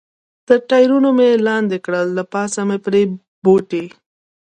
تر ټایرونو مې لاندې کړل، له پاسه مې پرې بوټي.